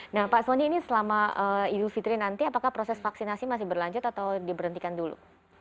nah pak soni ini selama idul fitri nanti apakah proses vaksinasi masih berlanjut atau diberhentikan dulu